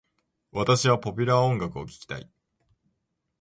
私はポピュラー音楽を聞きたい。